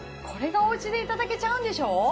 これがお家でいただけちゃうんでしょ？